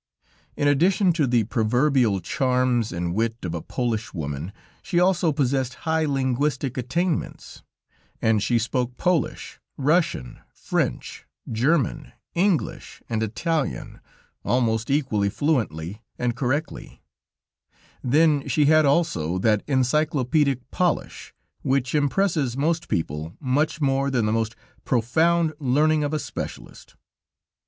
In addition to the proverbial charms and wit of a Polish woman, she also possessed high linguistic attainments, and she spoke Polish, Russian, French, German, English and Italian, almost equally fluently and correctly; then she had also that encyclopædic polish, which impresses most people much more than the most profound learning of a specialist.